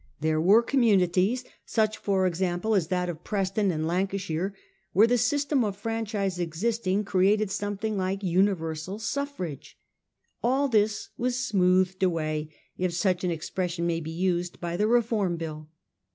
There were communities — such, for 110 A HISTORY OF OUR OWN TIMES. CH. V. example, as that of Preston, in Lancashire — where the system of franchise existing created something like universal suffrage. All this was smoothed away, if such an expression may he used, by the Reform Bill.